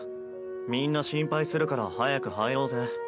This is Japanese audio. みんな心配するから早く入ろうぜ。